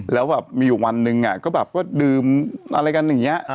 แล้วแบบมีอยู่วันหนึ่งก็แบบก็ดื่มอะไรกันอย่างนี้